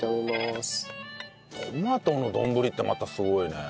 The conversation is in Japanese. トマトの丼ってまたすごいね。